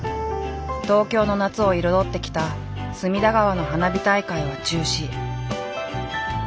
東京の夏を彩ってきた隅田川の花火大会は中止。